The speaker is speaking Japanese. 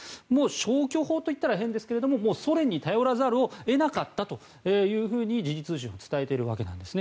消去法といったら変ですがソ連に頼らざるを得なかったというふうに時事通信は伝えているわけです。